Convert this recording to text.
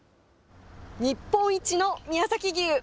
日本一の宮崎牛。